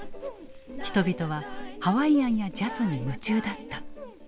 人々はハワイアンやジャズに夢中だった。